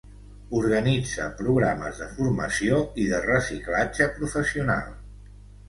Organitza programes de formació i de reciclatge professional.